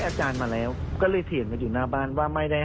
อาจารย์มาแล้วก็เลยเถียงกันอยู่หน้าบ้านว่าไม่ได้